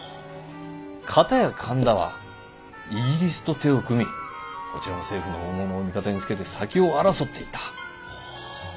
片や神田はイギリスと手を組みこちらも政府の大物を味方につけて先を争っていた。